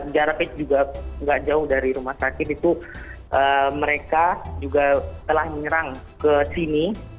jaraknya juga nggak jauh dari rumah sakit itu mereka juga telah menyerang ke sini